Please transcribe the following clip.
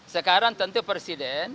sekarang tentu presiden